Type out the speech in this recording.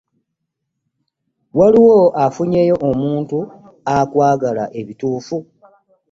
Wali ofunyeeyo omuntu akwagala ebituufu?